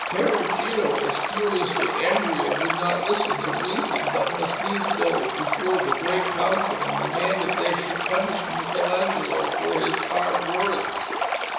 Perugino was furiously angry and would not listen to reason, but must needs go before the great Council and demand that they should punish Michelangelo for his hard words.